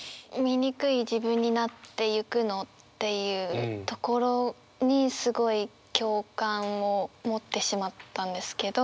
「醜い自分になってゆくの」っていうところにすごい共感を持ってしまったんですけど。